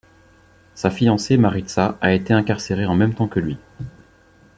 Sa fiancée Maritza a été incarcérée en même temps que lui.